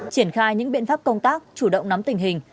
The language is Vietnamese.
triển khai những biện pháp công tác chủ động nắm tình hình